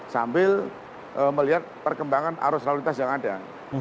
sambil melihat perkembangan arus lalu lintas yang ada